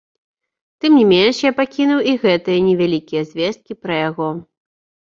Тым не менш, я пакінуў і гэтыя невялікія звесткі пра яго.